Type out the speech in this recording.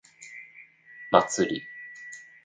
祭り